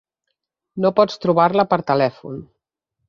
No pots trobar-la per telèfon.